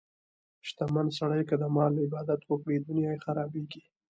شتمن سړی که د مال عبادت وکړي، دنیا یې خرابېږي.